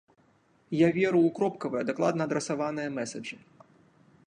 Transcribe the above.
Я веру ў кропкавыя, дакладна адрасаваныя мэсаджы.